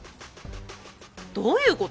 どういうこと？